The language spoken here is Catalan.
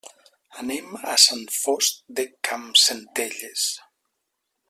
Anem a Sant Fost de Campsentelles.